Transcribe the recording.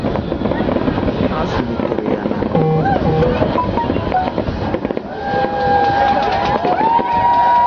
A zụlitere ya na Onitsha na mpaghara ndịda ọwụwa anyanwụ Nigeria.